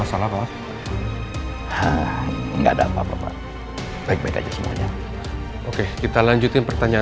siapa e tolong gia butternya